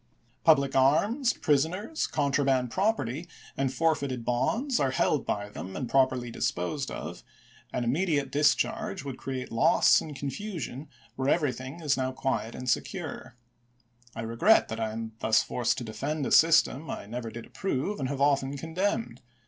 Public arms, prisoners, 390 ABKAHAM LINCOLN ch. XVIII. contraband property, and forfeited bonds are held by them and properly disposed of, and immediate discharge would create loss and confusion where everything is now quiet and secure. .. I regret that I am thus forced to defend a system I never did approve and have often condemned.